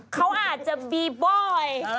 เขาอาจจะฟีบอย